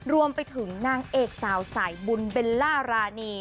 รวมไปถึงนางเอกสาวสายบุญเบลล่ารานี